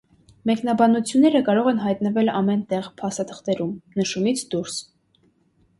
Մեկնաբանությունները կարող են հայտնվել ամեն տեղ փաստաթղթում՝ նշումից դուրս։